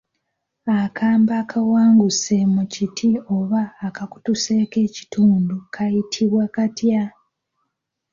Akambe akawanguse mu kiti oba akakutuseeko ekitundu kayitibwa katya?